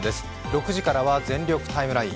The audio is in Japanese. ６時からは「全力タイムライン」。